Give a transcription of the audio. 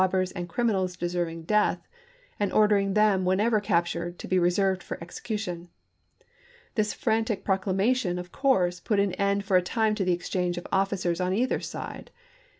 bers and criminals deserving death," and order ing them, whenever captured, to be reserved for execution. This frantic proclamation, of course, put an end for a time to the exchange of officers on either side.